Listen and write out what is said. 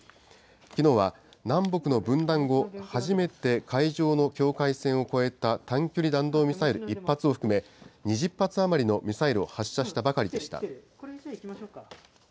きのうは南北の分断後、初めて海上の境界線を越えた短距離弾道ミサイル１発を含め、２０発余りのミサイルを発射したばかりでした。